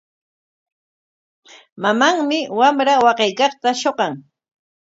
Mamanmi wamra waqaykaqta shuqan.